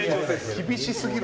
厳しすぎる。